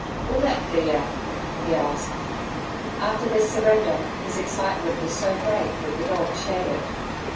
"Will thet do yer?" he asked. After this surrender his excitement was so great that the dog shared it.